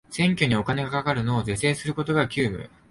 選挙にお金がかかるのを是正することが急務